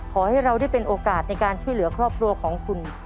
ขอให้เราได้เป็นโอกาสในการช่วยเหลือครอบครัวของคุณ